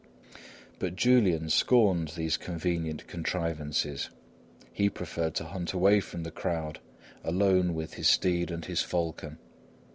But Julian scorned these convenient contrivances; he preferred to hunt away from the crowd, alone with his steed and his falcon.